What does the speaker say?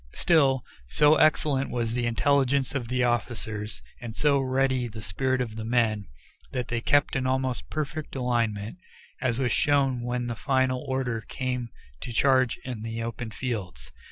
Still, so excellent was the intelligence of the officers, and so ready the spirit of the men, that they kept an almost perfect alignment, as was shown when the final order came to charge in the open fields.